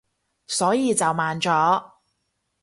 所以就慢咗